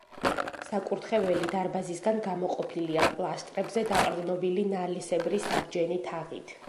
საკურთხეველი დარბაზისგან გამოყოფილია პილასტრებზე დაყრდნობილი ნალისებრი საბჯენი თაღით.